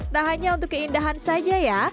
tak hanya untuk keindahan saja ya